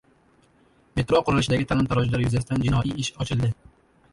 Metro qurilishidagi talon-torojlar yuzasidan jinoiy ish ochildi